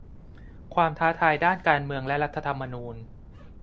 ความท้าทายด้านการเมืองและรัฐธรรมนูญ